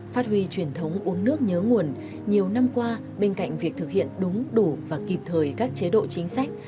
phát huy truyền thống uống nước nhớ nguồn nhiều năm qua bên cạnh việc thực hiện đúng đủ và kịp thời các chế độ chính sách